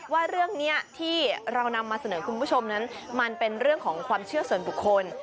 ว่าเรื่องนี้ที่เรานำมาเสนอคุณผู้ชมนั้นมันเป็นเรื่องของความเชื่อส่วนบุคคล